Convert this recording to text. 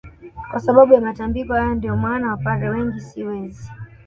Kwa sababu ya matambiko hayo ndio maana wapare wengi si wezi